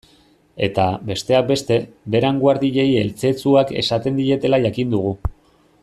Eta, besteak beste, Beran guardiei eltzetzuak esaten dietela jakin dugu.